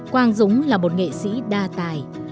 quang dũng là một nghệ sĩ đa tài